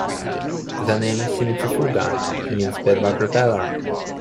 The name "Cimicifuga" means 'bedbug repeller'.